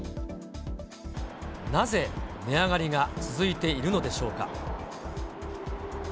なぜ、値上がりが続いているのでしょうか。